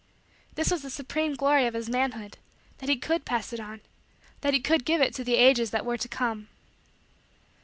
This was the supreme glory of his manhood: that he could pass it on that he could give it to the ages that were to come.